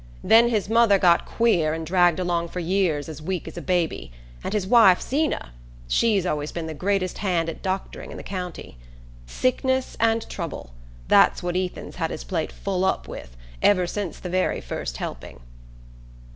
Then his mother got queer and dragged along for years as weak as a baby; and his wife Zeena, she's always been the greatest hand at doctoring in the county. Sickness and trouble: that's what Ethan's had his plate full up with, ever since the very first helping."